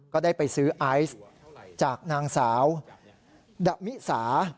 ก็ได้ไปซื้อไอซ์จากนางสาวดะมิสา